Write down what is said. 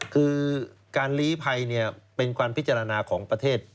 คือการลีภัยเป็นการพิจารณาของประเทศ